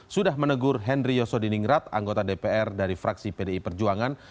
sudah menegur henry yosodiningrat anggota dpr dari fraksi pdi perjuangan